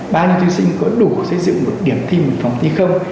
bao nhiêu thí sinh có đủ xây dựng một điểm thi một phòng thi không